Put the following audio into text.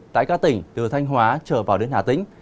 tại các tỉnh từ thanh hóa trở vào đến hà tĩnh